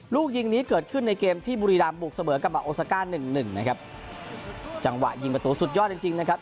ลูกยิงนี้เกิดขึ้นในเกมที่บุรีรำบุกเสมอกับมาโอซาก้าหนึ่งหนึ่งนะครับจังหวะยิงประตูสุดยอดจริงจริงนะครับ